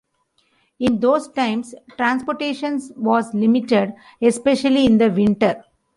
In those times, transportation was limited, especially in the winter.